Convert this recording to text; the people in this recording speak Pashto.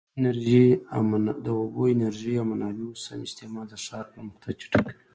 د اوبو، انرژۍ او منابعو سم استعمال د ښار پرمختګ چټکوي.